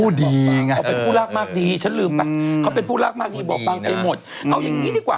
ถ้าที่บอกบางไปหมดเอาอย่างนี้ดีกว่า